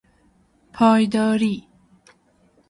پایداری